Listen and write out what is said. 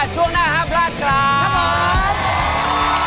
ช่วงหน้าครับพลาดกลับครับผม